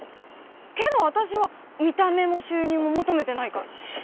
けど私は見た目も収入も求めてないから。